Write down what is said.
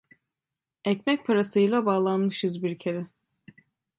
Ekmek parasıyla bağlanmışız bir kere!